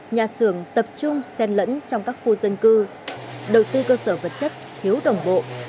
nhà xưởng tập trung sen lẫn trong các khu dân cư đầu tư cơ sở vật chất thiếu đồng bộ